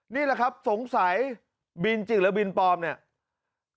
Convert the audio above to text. นี่แหละครับสงสัยบินจริงหรือบินปลอมเนี่ย